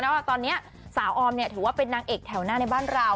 ว่าตอนนี้สาวออมเนี่ยถือว่าเป็นนางเอกแถวหน้าในบ้านเรา